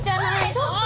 ちょっと。